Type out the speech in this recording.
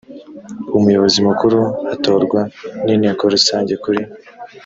umuyobozi mukuru atorwa n inteko rusange kuri